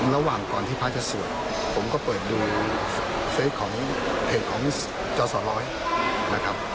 ระหว่างก่อนที่พระจะสวดผมก็เปิดดูเฟสของเพจของจอสร้อยนะครับ